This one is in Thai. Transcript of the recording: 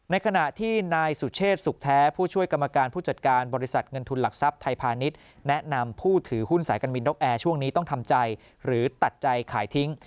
ขณะที่นายสุเชษสุขแท้ผู้ช่วยกรรมการผู้จัดการบริษัทเงินทุนหลักทรัพย์ไทยพาณิชย์แนะนำผู้ถือหุ้นสายการบินนกแอร์ช่วงนี้ต้องทำใจหรือตัดใจขายทิ้ง